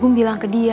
gugu bilang ke dia